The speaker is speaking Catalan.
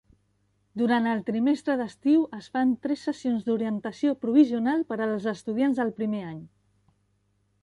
Durant el trimestre d'estiu es fan tres sessions d'orientació provisional per als estudiants del primer any.